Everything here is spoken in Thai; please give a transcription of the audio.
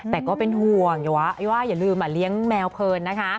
แต่ก็เป็นห่วงอย่าว่าอย่าลืมเลี้ยงแมวเพลินนะคะ